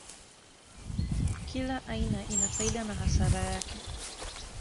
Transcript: Kila aina ina faida na hasara yake.